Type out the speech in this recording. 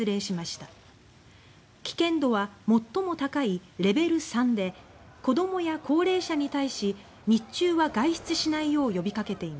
危険度は最も高いレベル３で子どもや高齢者に対し日中は外出しないよう呼びかけています。